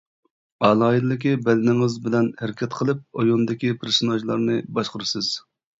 ئالاھىدىلىكى بەدىنىڭىز بىلەن ھەرىكەت قىلىپ ئويۇندىكى پېرسوناژلارنى باشقۇرىسىز.